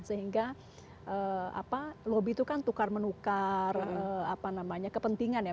sehingga lobby itu kan tukar menukar kepentingan ya